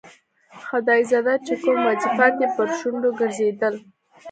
خدایزده چې کوم وظیفات یې پر شونډو ګرځېدل.